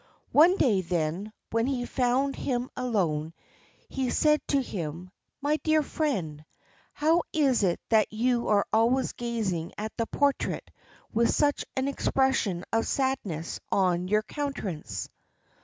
One day, then, when he found him alone, he said to him, "My dear friend, how is it that you are always gazing at that portrait with such an expression of sadness on your countenance?"